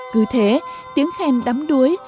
cứ thế tiếng khen đắm đuối